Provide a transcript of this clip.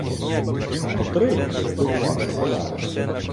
— Котрий? — здивувався болярин.